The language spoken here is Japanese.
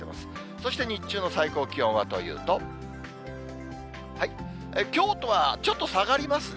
そして日中の最高気温はというと、きょうとはちょっと下がりますね。